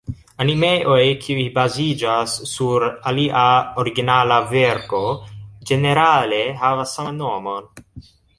Animeoj kiuj baziĝas sur alia originala verko, ĝenerale havas saman nomon.